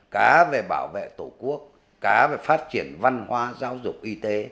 cá về bảo vệ tổ quốc cá về phát triển văn hóa giáo dục y tế